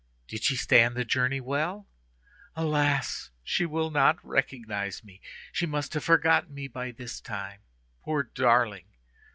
Did she stand the journey well? Alas! she will not recognize me. She must have forgotten me by this time, poor darling!